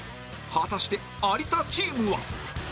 果たして有田チームは？